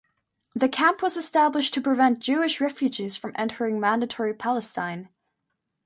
The camp was established to prevent Jewish refugees from entering Mandatory Palestine.